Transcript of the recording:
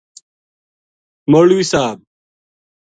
مولوی صاحب